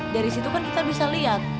dari situ kan kita bisa lihat